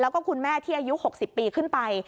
แล้วก็คุณแม่ที่อายุ๖๐ปีขึ้นไป